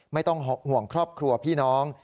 ไม่ต้องห่วงครอบครัวพี่น้อง